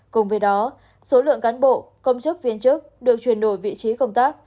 cùng với đó số lượng cán bộ công chức viên chức được chuyển đổi vị trí công tác